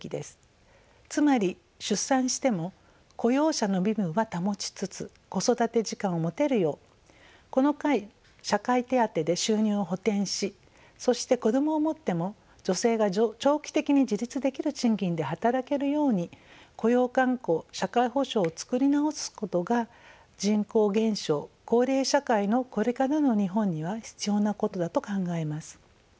つまり出産しても雇用者の身分は保ちつつ子育て時間を持てるようこの間社会手当で収入を補填しそして子どもを持っても女性が長期的に自立できる賃金で働けるように雇用慣行社会保障をつくり直すことが人口減少高齢社会のこれからの日本には必要なことだと考えます。